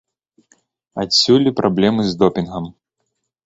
Адсюль і праблемы з допінгам.